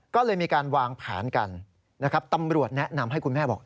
ก็เลยมีการวางแผนกันนะครับตำรวจแนะนำให้คุณแม่บอก